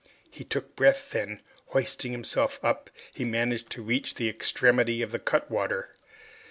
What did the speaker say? He took breath, then, hoisting himself up, he managed to reach the extremity of the cutwater.